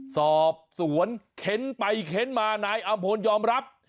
สอบสวนเค้นไปเค้นมานายอำพลยอมรับ